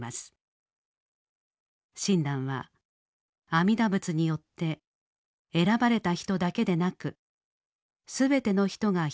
親鸞は阿弥陀仏によって選ばれた人だけでなく全ての人がひとしく救われると説きました。